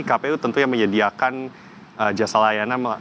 kpu tentunya menyediakan jasa layanan